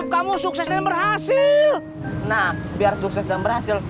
pasti waktu keras